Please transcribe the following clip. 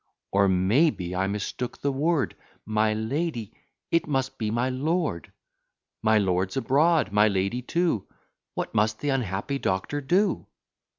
Or maybe I mistook the word; My lady it must be my lord. My lord 's abroad; my lady too: What must the unhappy doctor do?